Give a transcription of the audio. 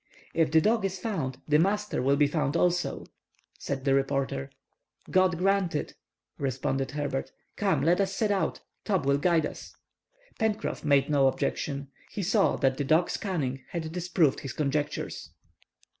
"If the dog is found, the master will be found also," said the reporter. "God grant it!" responded Herbert. "Come, let us set out. Top will guide us!" Pencroff made no objection. He saw that the dog's cunning had disproved his conjectures.